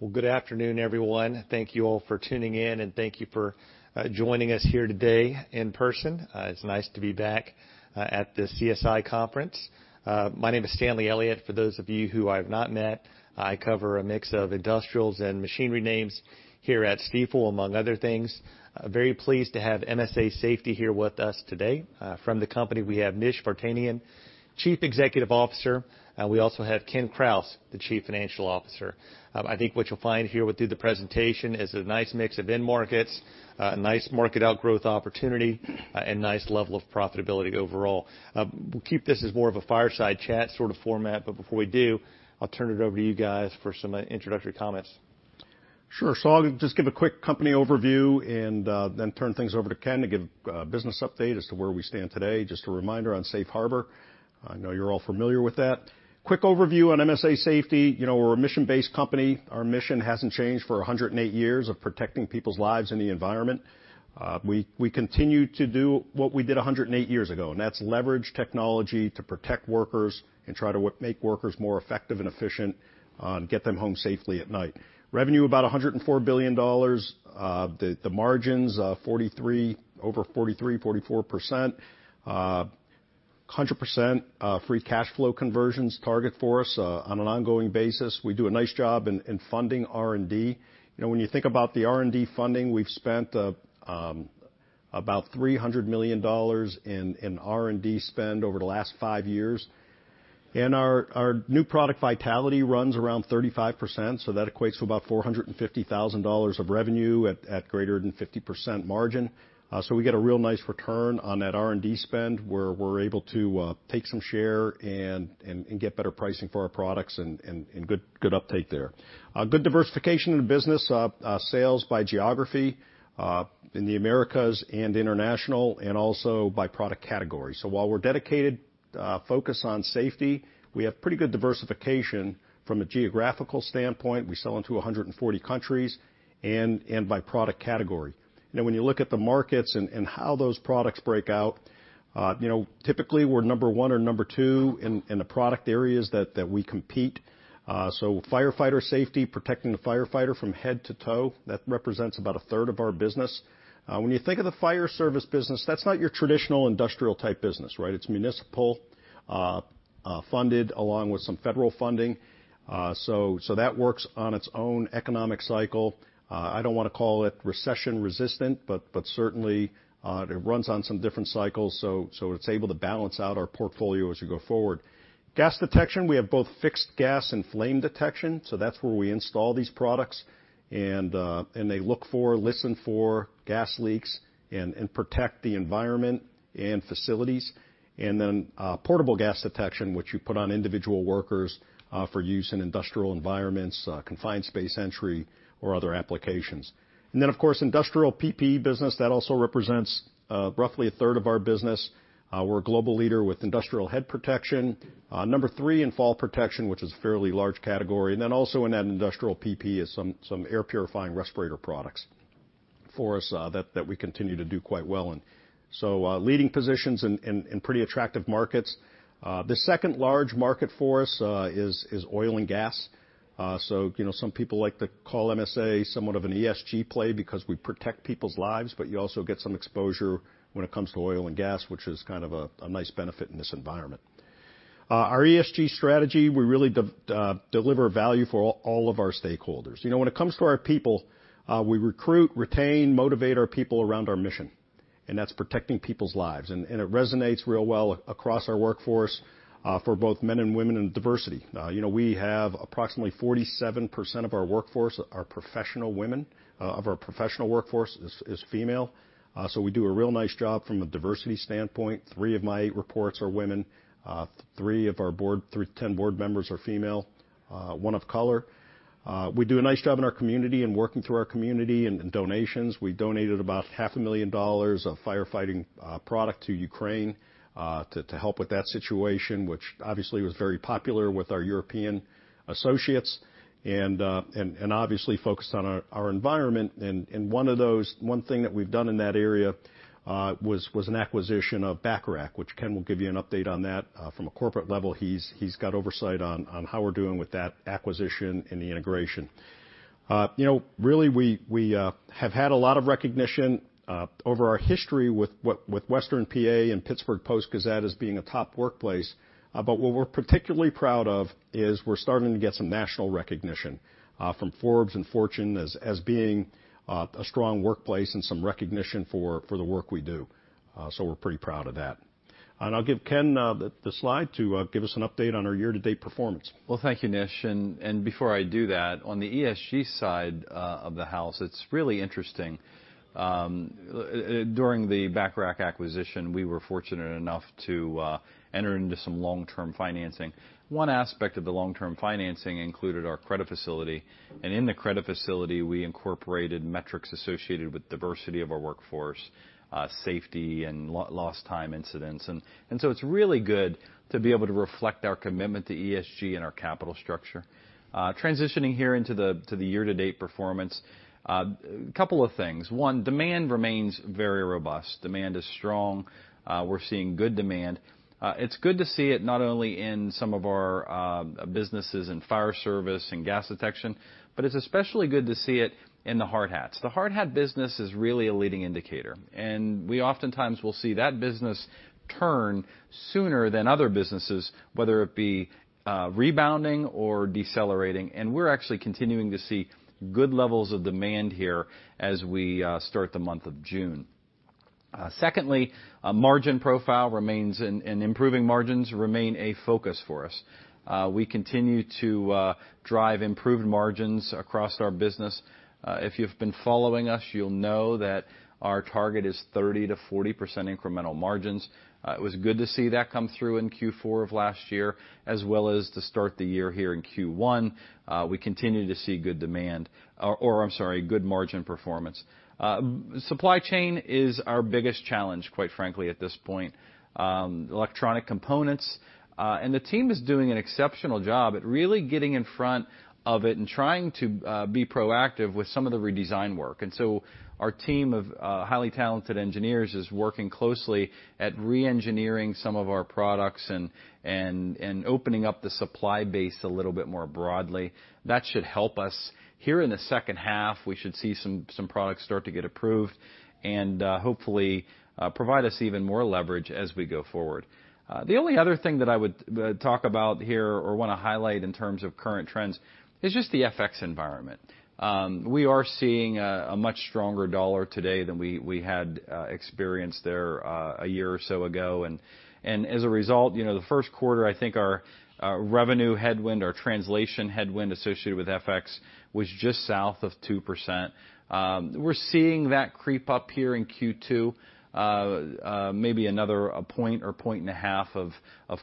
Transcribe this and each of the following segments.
Well, good afternoon, everyone. Thank you all for tuning in, and thank you for joining us here today in person. It's nice to be back at the CSI conference. My name is Stanley Elliott, for those of you who I've not met. I cover a mix of industrials and machinery names here at Stifel, among other things. Very pleased to have MSA Safety here with us today. From the company, we have Nish Vartanian, Chief Executive Officer, and we also have Ken Krause, the Chief Financial Officer. I think what you'll find here through the presentation is a nice mix of end markets, a nice market outgrowth opportunity, and nice level of profitability overall. We'll keep this as more of a fireside chat sort of format, but before we do, I'll turn it over to you guys for some introductory comments. Sure. I'll just give a quick company overview and then turn things over to Ken to give a business update as to where we stand today. Just a reminder on Safe Harbor. I know you're all familiar with that. Quick overview on MSA Safety. You know, we're a mission-based company. Our mission hasn't changed for 108 years of protecting people's lives and the environment. We continue to do what we did 108 years ago, and that's leverage technology to protect workers and try to make workers more effective and efficient, get them home safely at night. Revenue about $1.4 billion. The margins over 43%-44%. 100% free cash flow conversion's target for us on an ongoing basis. We do a nice job funding R&D. You know, when you think about the R&D funding, we've spent about $300 million in R&D spend over the last five years. Our New Product Vitality runs around 35%, so that equates to about $450,000 of revenue at greater than 50% margin. We get a real nice return on that R&D spend, where we're able to take some share and get better pricing for our products and good uptake there. Good diversification in the business. Sales by geography in the Americas and international and also by product category. While we're dedicated focus on safety, we have pretty good diversification from a geographical standpoint. We sell into 140 countries and by product category. You know, when you look at the markets and how those products break out, you know, typically, we're number one or number two in the product areas that we compete. Firefighter safety, protecting the firefighter from head to toe, that represents about a third of our business. When you think of the fire service business, that's not your traditional industrial-type business, right? It's municipal, funded along with some federal funding. That works on its own economic cycle. I don't wanna call it recession-resistant, but certainly, it runs on some different cycles, so it's able to balance out our portfolio as we go forward. Gas detection, we have both fixed gas and flame detection, so that's where we install these products. They look for, listen for gas leaks and protect the environment and facilities. Portable gas detection, which you put on individual workers for use in industrial environments, confined space entry, or other applications. Industrial PPE business that also represents roughly third of our business. We're a global leader with industrial head protection, number three in fall protection, which is a fairly large category. Also in that industrial PPE is some air purifying respirator products for us that we continue to do quite well in. Leading positions in pretty attractive markets. The second large market for us is oil and gas. You know, some people like to call MSA somewhat of an ESG play because we protect people's lives, but you also get some exposure when it comes to oil and gas, which is kind of a nice benefit in this environment. Our ESG strategy, we really deliver value for all of our stakeholders. You know, when it comes to our people, we recruit, retain, motivate our people around our mission, and that's protecting people's lives. It resonates real well across our workforce, for both men and women in diversity. You know, we have approximately 47% of our workforce are professional women, of our professional workforce is female. So we do a real nice job from a diversity standpoint. Three of my eight reports are women. Ten board members are female, one of color. We do a nice job in our community and working through our community and in donations. We donated about half a million dollars of firefighting product to Ukraine to help with that situation, which obviously was very popular with our European associates and obviously focused on our environment. One thing that we've done in that area was an acquisition of Bacharach, which Ken will give you an update on that. From a corporate level, he has got oversight on how we're doing with that acquisition and the integration. You know, really, we have had a lot of recognition over our history with Western P.A. and Pittsburgh Post-Gazette as being a top workplace. What we're particularly proud of is we're starting to get some national recognition from Forbes and Fortune as being a strong workplace and some recognition for the work we do. We're pretty proud of that. I'll give Ken the slide to give us an update on our year-to-date performance. Well, thank you, Nish. Before I do that, on the ESG side of the house, it's really interesting. During the Bacharach acquisition, we were fortunate enough to enter into some long-term financing. One aspect of the long-term financing included our credit facility, and in the credit facility, we incorporated metrics associated with diversity of our workforce, safety and lost time incidents. It's really good to be able to reflect our commitment to ESG and our capital structure. Transitioning here into the year-to-date performance, couple of things. One, demand remains very robust. Demand is strong. We're seeing good demand. It's good to see it not only in some of our businesses in fire service and gas detection, but it's especially good to see it in the hard hats. The hard hat business is really a leading indicator, and we oftentimes will see that business turn sooner than other businesses, whether it be rebounding or decelerating. We're actually continuing to see good levels of demand here as we start the month of June. Secondly, our margin profile remains; improving margins remain a focus for us. We continue to drive improved margins across our business. If you've been following us, you'll know that our target is 30%-40% incremental margins. It was good to see that come through in Q4 of last year, as well as to start the year here in Q1. We continue to see good margin performance. Supply chain is our biggest challenge, quite frankly, at this point. Electronic components, and the team is doing an exceptional job at really getting in front of it and trying to be proactive with some of the redesign work. Our team of highly talented engineers is working closely at reengineering some of our products and opening up the supply base a little bit more broadly. That should help us. Here in the H2, we should see some products start to get approved and hopefully provide us even more leverage as we go forward. The only other thing that I would talk about here or wanna highlight in terms of current trends is just the FX environment. We are seeing a much stronger dollar today than we had experienced there a year or so ago. As a result, you know, the first quarter, I think our revenue headwind, our translation headwind associated with FX was just south of 2%. We're seeing that creep up here in Q2, maybe another point or point and a half of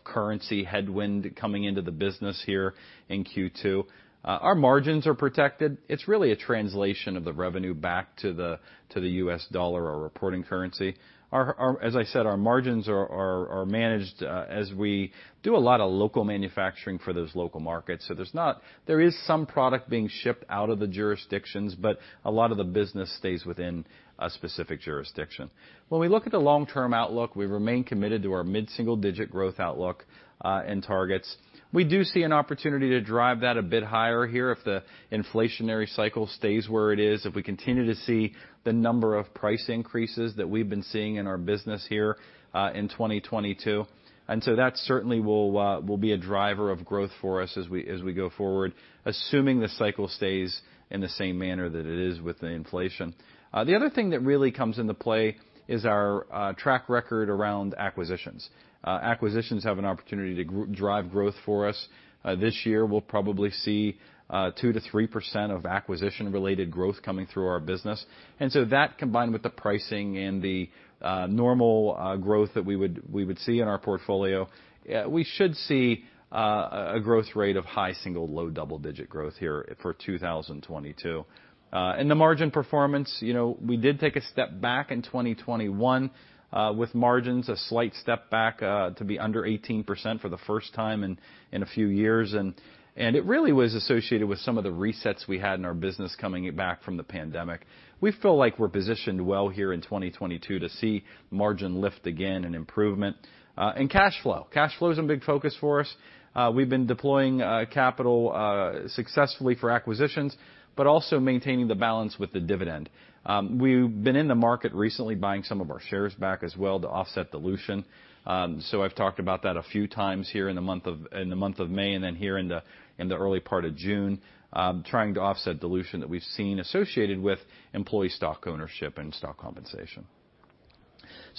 currency headwind coming into the business here in Q2. Our margins are protected. It's really a translation of the revenue back to the U.S. dollar, our reporting currency. As I said, our margins are managed, as we do a lot of local manufacturing for those local markets. So there is some product being shipped out of the jurisdictions, but a lot of the business stays within a specific jurisdiction. When we look at the long-term outlook, we remain committed to our mid-single-digit growth outlook and targets. We do see an opportunity to drive that a bit higher here if the inflationary cycle stays where it is, if we continue to see the number of price increases that we've been seeing in our business here in 2022. That certainly will be a driver of growth for us as we go forward, assuming the cycle stays in the same manner that it is with the inflation. The other thing that really comes into play is our track record around acquisitions. Acquisitions have an opportunity to drive growth for us. This year, we'll probably see 2%-3% of acquisition-related growth coming through our business. That combined with the pricing and the normal growth that we would see in our portfolio, we should see a growth rate of high single-digit, low double-digit growth here for 2022. The margin performance, you know, we did take a step back in 2021 with margins, a slight step back to be under 18% for the first time in a few years. It really was associated with some of the resets we had in our business coming back from the pandemic. We feel like we're positioned well here in 2022 to see margin lift again and improvement. Cash flow. Cash flow is a big focus for us. We've been deploying capital successfully for acquisitions, but also maintaining the balance with the dividend. We've been in the market recently buying some of our shares back as well to offset dilution. I've talked about that a few times here in the month of May and then here in the early part of June, trying to offset dilution that we've seen associated with employee stock ownership and stock compensation.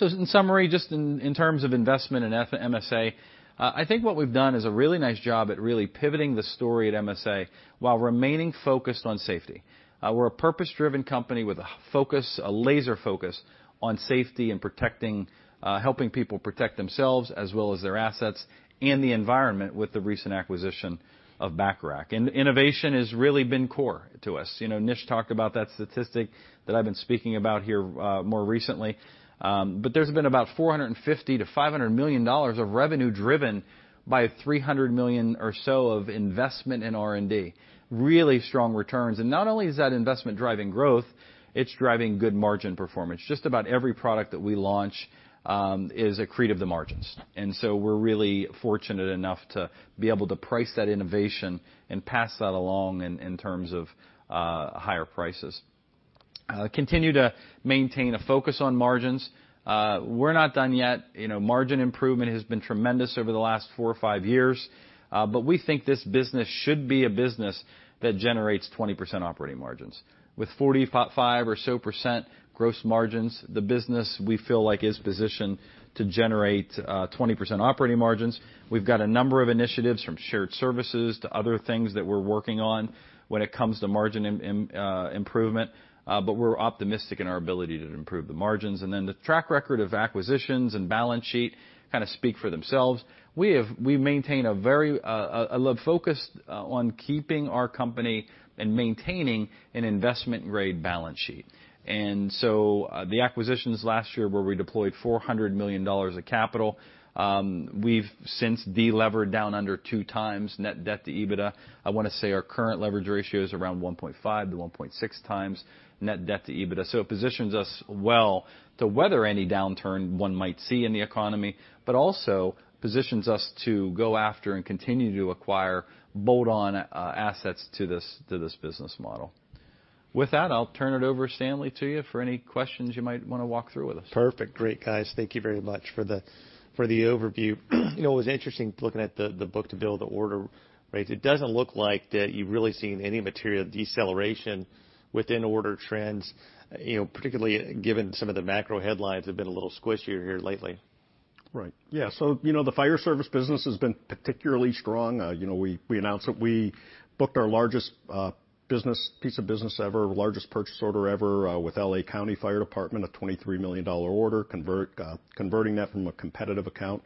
In summary, just in terms of investment in MSA, I think what we've done is a really nice job at really pivoting the story at MSA while remaining focused on safety. We're a purpose-driven company with a focus, a laser focus on safety and protecting, helping people protect themselves as well as their assets and the environment with the recent acquisition of Bacharach. Innovation has really been core to us. You know, Nish talked about that statistic that I've been speaking about here, more recently. There's been about $450 million-$500 million of revenue driven by $300 million or so of investment in R&D. Really strong returns. Not only is that investment driving growth, it's driving good margin performance. Just about every product that we launch is accretive to margins. We're really fortunate enough to be able to price that innovation and pass that along in terms of higher prices. Continue to maintain a focus on margins. We're not done yet. You know, margin improvement has been tremendous over the last four or five years, but we think this business should be a business that generates 20% operating margins. With 45% or so gross margins, the business, we feel like, is positioned to generate 20% operating margins. We've got a number of initiatives from shared services to other things that we're working on when it comes to margin improvement, but we're optimistic in our ability to improve the margins. The track record of acquisitions and balance sheet kind of speak for themselves. We maintain a very focused on keeping our company and maintaining an investment-grade balance sheet. The acquisitions last year where we deployed $400 million of capital, we've since de-levered down under two times net debt to EBITDA. I wanna say our current leverage ratio is around 1.5-1.6 times net debt to EBITDA. It positions us well to weather any downturn one might see in the economy, but also positions us to go after and continue to acquire bolt-on assets to this business model. With that, I'll turn it over, Stanley, to you for any questions you might wanna walk through with us. Perfect. Great, guys. Thank you very much for the overview. You know, it was interesting looking at the book-to-bill to order rates. It doesn't look like that you've really seen any material deceleration within order trends, you know, particularly given some of the macro headlines have been a little squishier here lately. Right. Yeah. You know, the fire service business has been particularly strong. You know, we announced that we booked our largest business, piece of business ever, largest purchase order ever, with L.A. County Fire Department, a $23 million order, converting that from a competitive account.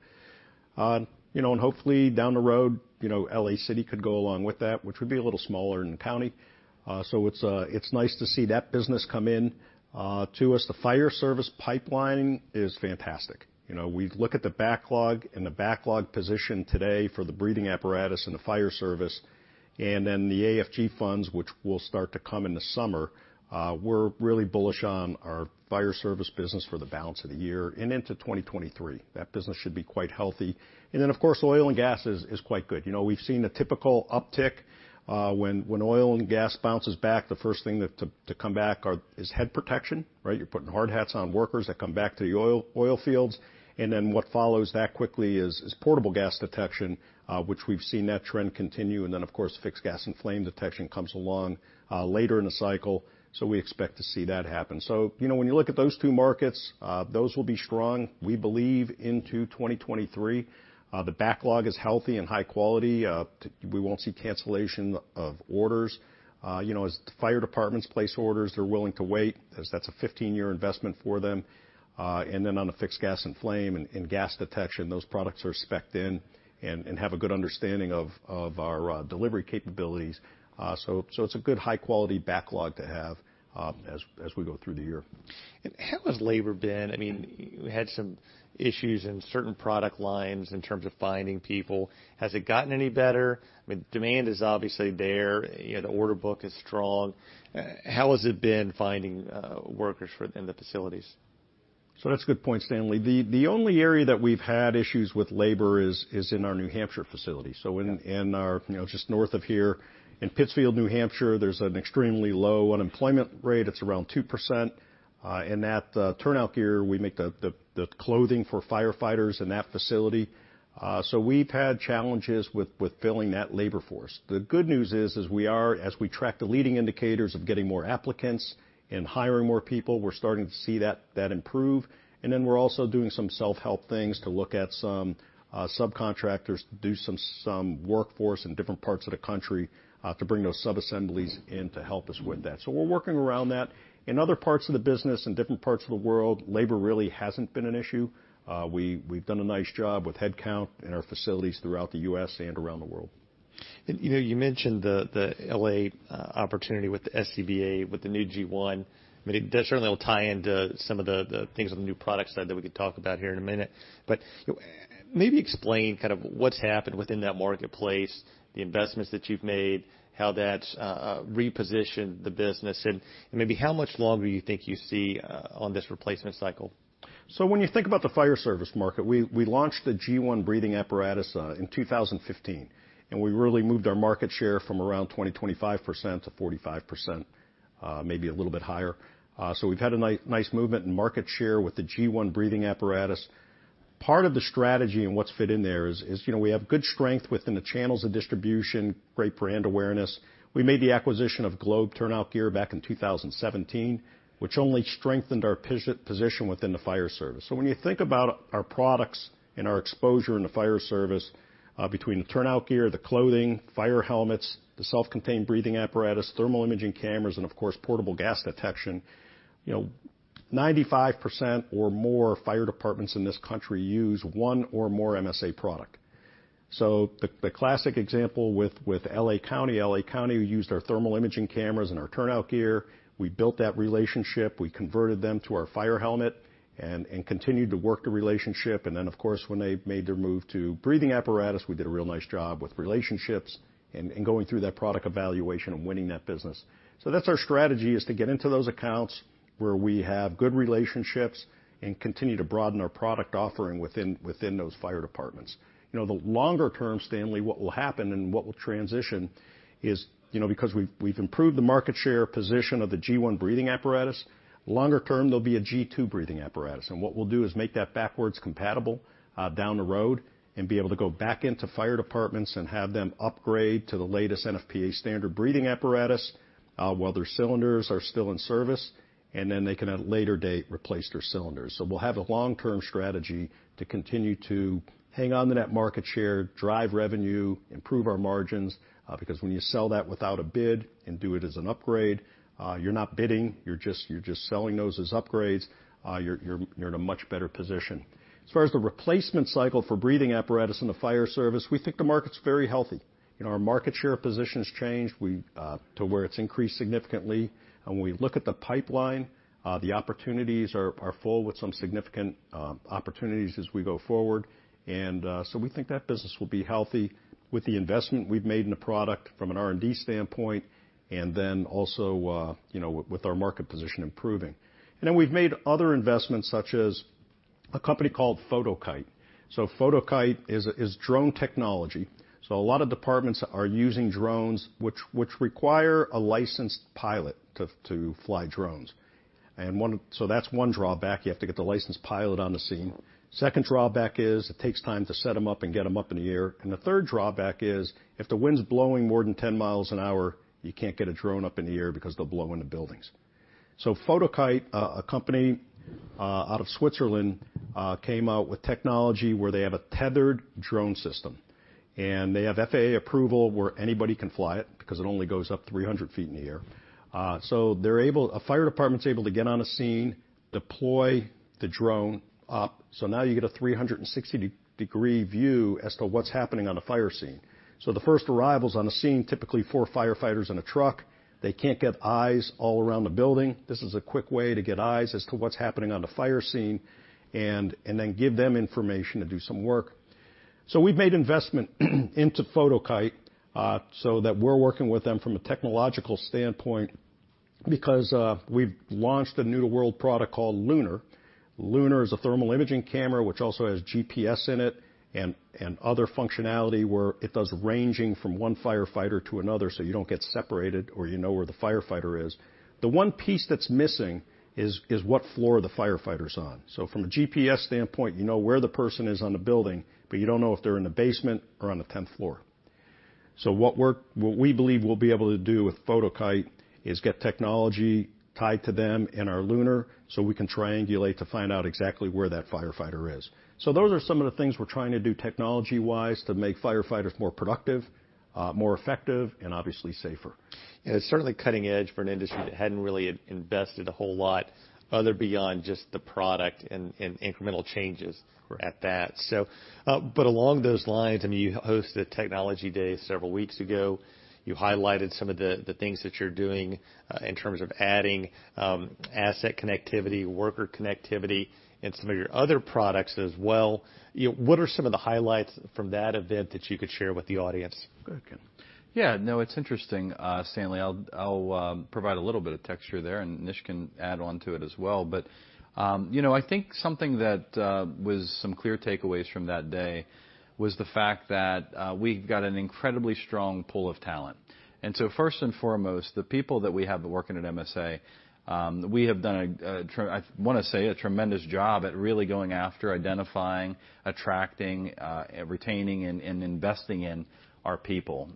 You know, and hopefully down the road, you know, L.A. City could go along with that, which would be a little smaller than the county. It's nice to see that business come in to us. The fire service pipeline is fantastic. You know, we look at the backlog and the backlog position today for the breathing apparatus and the fire service and then the AFG funds, which will start to come in the summer. We're really bullish on our fire service business for the balance of the year and into 2023. That business should be quite healthy. Then, of course, oil and gas is quite good. You know, we've seen a typical uptick when oil and gas bounces back. The first thing to come back is head protection, right? You're putting hard hats on workers that come back to the oil fields. Then what follows that quickly is portable gas detection, which we've seen that trend continue. Then, of course, fixed gas and flame detection comes along later in the cycle. We expect to see that happen. You know, when you look at those two markets, those will be strong, we believe, into 2023. The backlog is healthy and high quality. We won't see cancellation of orders. You know, as fire departments place orders, they're willing to wait as that's a 15-year investment for them. And then on the fixed gas and flame detection, those products are specced in and have a good understanding of our delivery capabilities. It's a good high quality backlog to have, as we go through the year. How has labor been? I mean, you had some issues in certain product lines in terms of finding people. Has it gotten any better? I mean, demand is obviously there. You know, the order book is strong. How has it been finding workers for in the facilities? That's a good point, Stanley. The only area that we've had issues with labor is in our New Hampshire facility. In our, you know, just north of here, in Pittsfield, New Hampshire, there's an extremely low unemployment rate. It's around 2%. Turnout gear, we make the clothing for firefighters in that facility. We've had challenges with filling that labor force. The good news is we are, as we track the leading indicators of getting more applicants and hiring more people, we're starting to see that improve. We're also doing some self-help things to look at some subcontractors to do some workforce in different parts of the country to bring those subassemblies in to help us with that. We're working around that. In other parts of the business, in different parts of the world, labor really hasn't been an issue. We've done a nice job with headcount in our facilities throughout the U.S. and around the world. You know, you mentioned the L.A. opportunity with the SCBA, with the new G1. I mean, that certainly will tie into some of the things on the new product side that we could talk about here in a minute. You know, maybe explain kind of what's happened within that marketplace, the investments that you've made, how that's repositioned the business, and maybe how much longer you think you see on this replacement cycle. When you think about the fire service market, we launched the G1 breathing apparatus in 2015, and we really moved our market share from around 20-25% to 45%, maybe a little bit higher. We've had a nice movement in market share with the G1 breathing apparatus. Part of the strategy and what's fit in there is, you know, we have good strength within the channels of distribution, great brand awareness. We made the acquisition of Globe Turnout Gear back in 2017, which only strengthened our position within the fire service. When you think about our products and our exposure in the fire service, between the turnout gear, the clothing, fire helmets, the self-contained breathing apparatus, thermal imaging cameras, and of course, portable gas detection, you know, 95% or more fire departments in this country use one or more MSA product. The classic example with L.A. County, L.A. County used our thermal imaging cameras and our turnout gear. We built that relationship. We converted them to our fire helmet and continued to work the relationship. Then, of course, when they made their move to breathing apparatus, we did a real nice job with relationships and going through that product evaluation and winning that business. That's our strategy is to get into those accounts where we have good relationships and continue to broaden our product offering within those fire departments. You know, the longer term, Stanley, what will happen and what will transition is, you know, because we've improved the market share position of the G1 breathing apparatus, longer term, there'll be a G2 breathing apparatus. What we'll do is make that backwards compatible, down the road and be able to go back into fire departments and have them upgrade to the latest NFPA standard breathing apparatus, while their cylinders are still in service, and then they can at a later date replace their cylinders. We'll have a long-term strategy to continue to hang on to that market share, drive revenue, improve our margins, because when you sell that without a bid and do it as an upgrade, you're not bidding, you're just selling those as upgrades, you're in a much better position. As far as the replacement cycle for breathing apparatus in the fire service, we think the market's very healthy. You know, our market share position has changed. We've to where it's increased significantly. When we look at the pipeline, the opportunities are full with some significant opportunities as we go forward. We think that business will be healthy with the investment we've made in the product from an R&D standpoint, and then also, you know, with our market position improving. We've made other investments such as a company called Fotokite. Fotokite is drone technology. A lot of departments are using drones, which require a licensed pilot to fly drones. That's one drawback. You have to get the licensed pilot on the scene. Second drawback is it takes time to set them up and get them up in the air. The third drawback is if the wind's blowing more than 10 miles an hour, you can't get a drone up in the air because they'll blow into buildings. Fotokite, a company out of Switzerland, came out with technology where they have a tethered drone system. They have FAA approval where anybody can fly it, because it only goes up 300 feet in the air. A fire department's able to get on a scene, deploy the drone up, so now you get a 360-degree view as to what's happening on the fire scene. The first arrivals on the scene, typically four firefighters in a truck, they can't get eyes all around the building. This is a quick way to get eyes as to what's happening on the fire scene and then give them information to do some work. We've made investment into Fotokite, so that we're working with them from a technological standpoint because we've launched a new to world product called LUNAR. LUNAR is a thermal imaging camera which also has GPS in it and other functionality where it does ranging from one firefighter to another, so you don't get separated or you know where the firefighter is. The one piece that's missing is what floor the firefighter's on. From a GPS standpoint, you know where the person is on the building, but you don't know if they're in the basement or on the 10th floor. What we believe we'll be able to do with Fotokite is get technology tied to them in our LUNAR, so we can triangulate to find out exactly where that firefighter is. Those are some of the things we're trying to do technology-wise to make firefighters more productive, more effective and obviously safer. Yeah, certainly cutting edge for an industry that hadn't really invested a whole lot other beyond just the product and incremental changes at that. Along those lines, I mean, you hosted a technology day several weeks ago. You highlighted some of the things that you're doing in terms of adding asset connectivity, worker connectivity in some of your other products as well. You know, what are some of the highlights from that event that you could share with the audience? Go ahead, Ken. Yeah. No, it's interesting, Stanley. I'll provide a little bit of texture there, and Nish can add onto it as well. You know, I think something that was some clear takeaways from that day was the fact that we've got an incredibly strong pool of talent. First and foremost, the people that we have working at MSA, we have done a tremendous job at really going after identifying, attracting, retaining and investing in our people.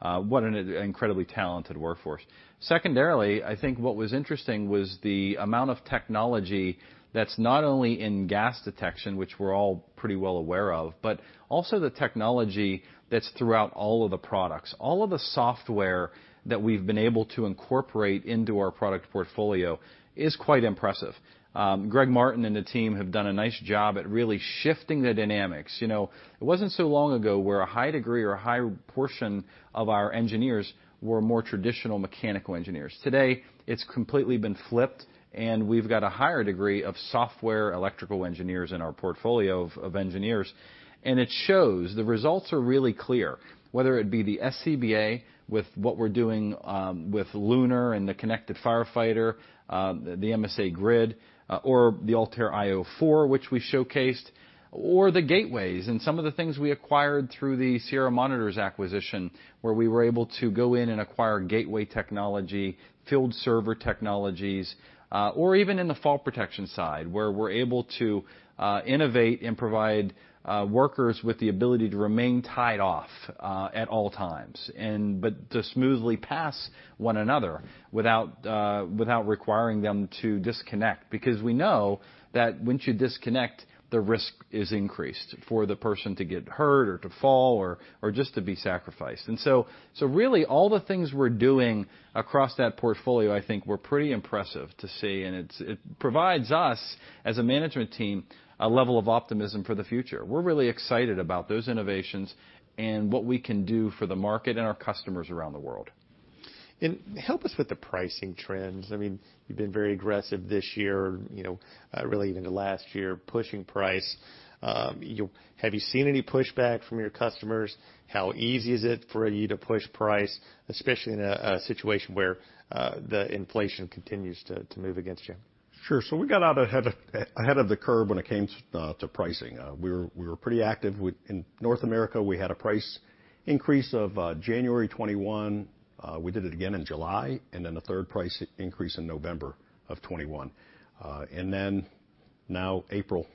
What an incredibly talented workforce. Secondarily, I think what was interesting was the amount of technology that's not only in gas detection, which we're all pretty well aware of, but also the technology that's throughout all of the products. All of the software that we've been able to incorporate into our product portfolio is quite impressive. Greg Martin and the team have done a nice job at really shifting the dynamics. You know, it wasn't so long ago where a high degree or a high portion of our engineers were more traditional mechanical engineers. Today, it's completely been flipped, and we've got a higher degree of software electrical engineers in our portfolio of engineers, and it shows. The results are really clear. Whether it be the SCBA with what we're doing with LUNAR and the Connected Firefighter, the MSA Grid, or the ALTAIR io 4 which we showcased, or the FieldServer Gateways and some of the things we acquired through the Sierra Monitor acquisition, where we were able to go in and acquire Gateway technology, FieldServer technologies, or even in the fall protection side, where we're able to innovate and provide workers with the ability to remain tied off at all times and but to smoothly pass one another without requiring them to disconnect. Because we know that once you disconnect, the risk is increased for the person to get hurt or to fall or just to be sacrificed. Really all the things we're doing across that portfolio I think were pretty impressive to see, and it provides us as a management team a level of optimism for the future. We're really excited about those innovations and what we can do for the market and our customers around the world. Help us with the pricing trends. I mean, you've been very aggressive this year, you know, really even the last year pushing price. Have you seen any pushback from your customers? How easy is it for you to push price, especially in a situation where the inflation continues to move against you? Sure. We got out ahead of the curve when it came to pricing. We were pretty active. In North America, we had a price increase in January 2021. We did it again in July, and then a third price increase in November 2021. Now April,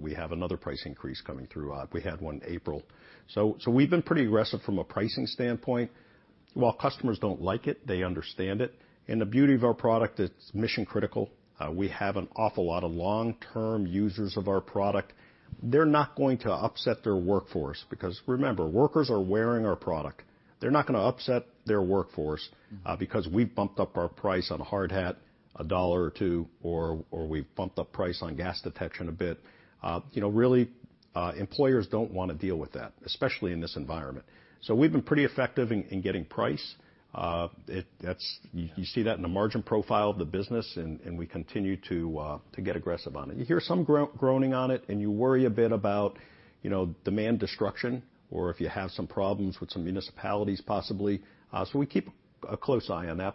we have another price increase coming through. We had one in April. We've been pretty aggressive from a pricing standpoint. While customers don't like it, they understand it, and the beauty of our product, it's mission critical. We have an awful lot of long-term users of our product. They're not going to upset their workforce because remember, workers are wearing our product. They're not gonna upset their workforce, because we've bumped up our price on a hard hat a dollar or two, or we've bumped up price on gas detection a bit. You know, really, employers don't wanna deal with that, especially in this environment. We've been pretty effective in getting price. You see that in the margin profile of the business and we continue to get aggressive on it. You hear some groaning on it, and you worry a bit about, you know, demand destruction or if you have some problems with some municipalities possibly, so we keep a close eye on that.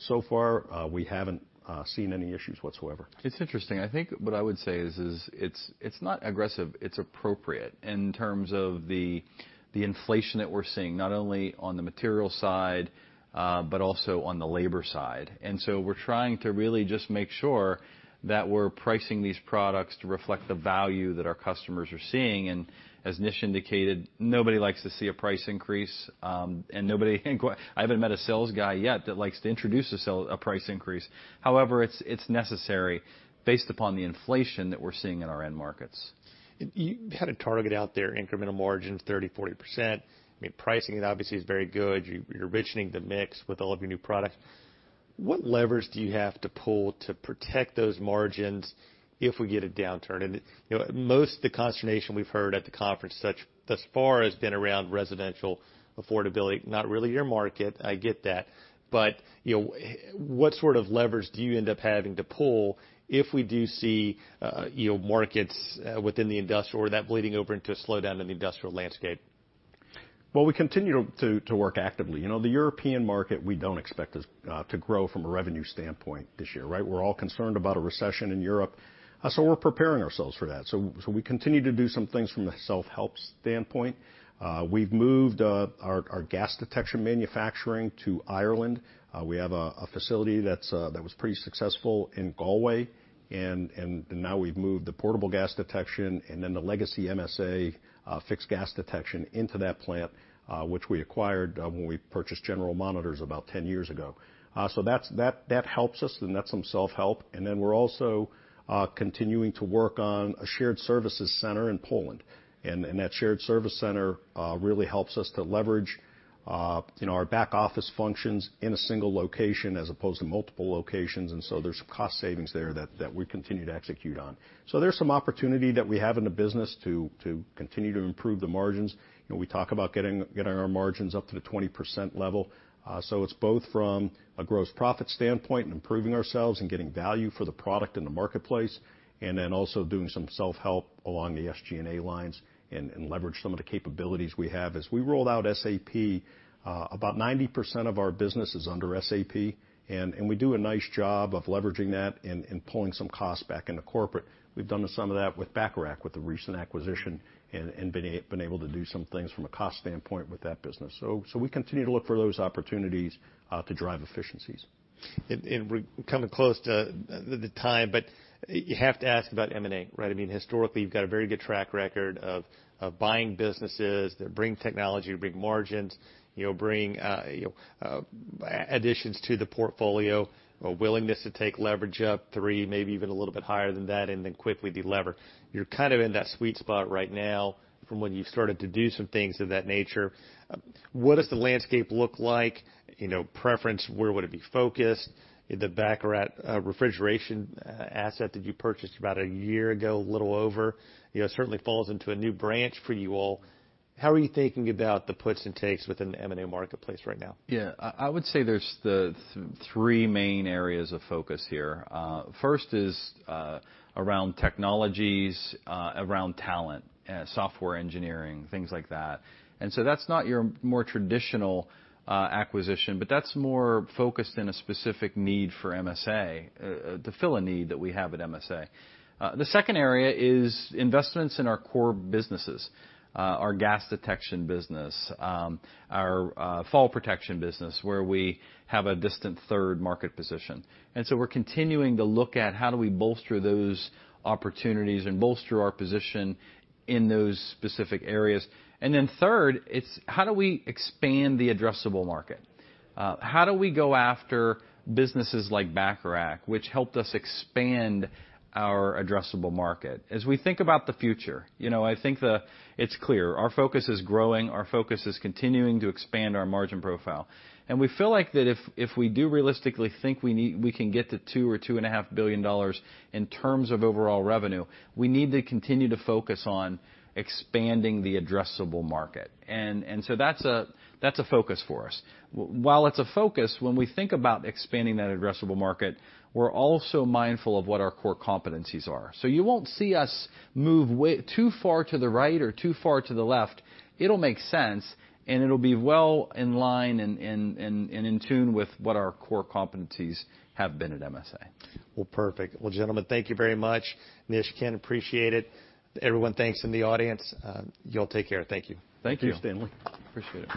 So far, we haven't seen any issues whatsoever. It's interesting. I think what I would say is it's not aggressive, it's appropriate in terms of the inflation that we're seeing, not only on the material side, but also on the labor side. We're trying to really just make sure that we're pricing these products to reflect the value that our customers are seeing. As Nish indicated, nobody likes to see a price increase, and I haven't met a sales guy yet that likes to introduce a price increase. However, it's necessary based upon the inflation that we're seeing in our end markets. You had a target out there, incremental margin 30%-40%. I mean, pricing obviously is very good. You, you're richening the mix with all of your new products. What levers do you have to pull to protect those margins if we get a downturn? You know, most of the consternation we've heard at the conference thus far has been around residential affordability, not really your market. I get that. You know, what sort of levers do you end up having to pull if we do see, you know, markets within the industrial or that bleeding over into a slowdown in the industrial landscape? Well, we continue to work actively. You know, the European market, we don't expect this to grow from a revenue standpoint this year, right? We're all concerned about a recession in Europe, so we're preparing ourselves for that. We continue to do some things from the self-help standpoint. We've moved our gas detection manufacturing to Ireland. We have a facility that was pretty successful in Galway, and now we've moved the portable gas detection and then the legacy MSA fixed gas detection into that plant, which we acquired when we purchased General Monitors about 10 years ago. So that helps us, and that's some self-help. We're also continuing to work on a shared services center in Poland. That shared services center really helps us to leverage, you know, our back office functions in a single location as opposed to multiple locations. There's some cost savings there that we continue to execute on. There's some opportunity that we have in the business to continue to improve the margins. You know, we talk about getting our margins up to the 20% level. It's both from a gross profit standpoint and improving ourselves and getting value for the product in the marketplace, and then also doing some self-help along the SG&A lines and leverage some of the capabilities we have. As we rolled out SAP, about 90% of our business is under SAP, and we do a nice job of leveraging that and pulling some costs back into corporate. We've done some of that with Bacharach, with the recent acquisition, and been able to do some things from a cost standpoint with that business. We continue to look for those opportunities to drive efficiencies. We're coming close to the time, but you have to ask about M&A, right? I mean, historically, you've got a very good track record of buying businesses that bring technology, bring margins, you know, bring additions to the portfolio, a willingness to take leverage up three, maybe even a little bit higher than that, and then quickly de-lever. You're kind of in that sweet spot right now from when you started to do some things of that nature. What does the landscape look like? You know, preference, where would it be focused? The Bacharach refrigeration asset that you purchased about a year ago, a little over, you know, certainly falls into a new branch for you all. How are you thinking about the puts and takes within the M&A marketplace right now? Yeah. I would say there's the three main areas of focus here. First is around technologies, around talent, software engineering, things like that. That's not your more traditional acquisition, but that's more focused in a specific need for MSA, to fill a need that we have at MSA. The second area is investments in our core businesses, our gas detection business, our fall protection business, where we have a distant third market position. We're continuing to look at how do we bolster those opportunities and bolster our position in those specific areas. Third, it's how do we expand the addressable market? How do we go after businesses like Bacharach, which helped us expand our addressable market? As we think about the future, you know, I think it's clear. Our focus is growing. Our focus is continuing to expand our margin profile. We feel like that if we do realistically think we can get to $2 billion-$2.5 billion in terms of overall revenue, we need to continue to focus on expanding the addressable market. That's a focus for us. While it's a focus, when we think about expanding that addressable market, we're also mindful of what our core competencies are. You won't see us move too far to the right or too far to the left. It'll make sense, and it'll be well in line and in tune with what our core competencies have been at MSA. Well, perfect. Well, gentlemen, thank you very much. Nish, Ken, appreciate it. Everyone, thanks in the audience. Y'all take care. Thank you. Thank you. Thank you, Stanley. Appreciate it.